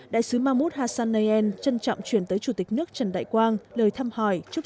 đại sứ mahmoud hassanein trân trọng chuyển tới chủ tịch nước trần đại quang lời thăm hỏi chúc